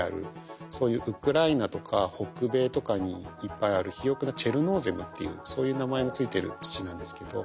そういうウクライナとか北米とかにいっぱいある肥沃なチェルノーゼムっていうそういう名前の付いてる土なんですけど。